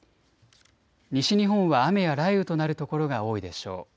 西日本は雨や雷雨となる所が多いでしょう。